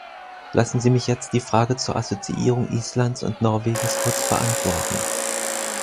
Lassen Sie mich jetzt die Frage zur Assoziierung Islands und Norwegens kurz beantworten.